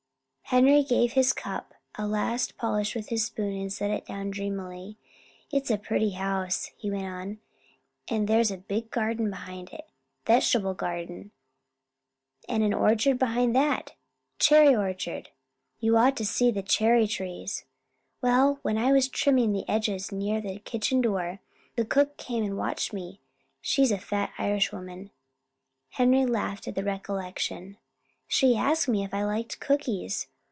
Henry gave his cup a last polish with his spoon and set it down dreamily. "It's a pretty house," he went on, "and there's a big garden behind it vegetable garden. And an orchard behind that cherry orchard. You ought to see the cherry trees! Well, when I was trimming the edges near the kitchen door, the cook came and watched me. She's a fat Irishwoman." Henry laughed at the recollection. "She asked me if I liked cookies.